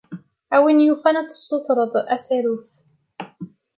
A win yufan ad tessutred asaruf.